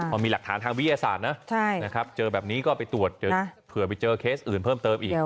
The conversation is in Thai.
พอมีหลักฐานทางวิทยาศาสตร์นะเจอแบบนี้ก็ไปตรวจเผื่อไปเจอเคสอื่นเพิ่มเติมอีก